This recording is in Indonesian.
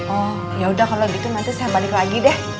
oh yaudah kalau gitu nanti saya balik lagi deh